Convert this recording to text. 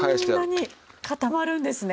こんなに固まるんですね。